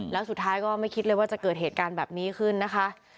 แล้วสุดท้ายก็ไม่คิดเลยว่าจะเกิดเหตุการณ์แบบนี้ขึ้นนะคะ